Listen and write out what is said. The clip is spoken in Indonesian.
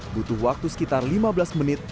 butuh waktu sekitar lima belas menit